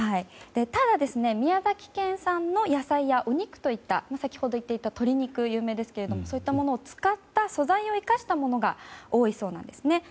ただ、宮崎県産の野菜やお肉といった先ほど言っていた鶏肉が有名ですけどそういったものを使った素材を生かしたものが多いそうですね。